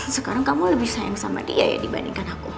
sekarang kamu lebih sayang sama dia ya dibandingkan aku